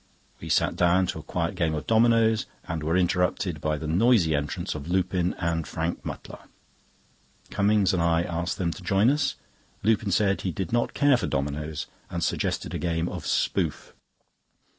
We sat down to a quiet game of dominoes, and were interrupted by the noisy entrance of Lupin and Frank Mutlar. Cummings and I asked them to join us. Lupin said he did not care for dominoes, and suggested a game of "Spoof."